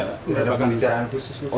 tidak ada pembicaraan khusus